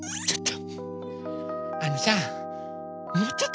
ちょっと！